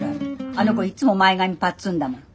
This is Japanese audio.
あの子いっつも前髪パッツンだもの。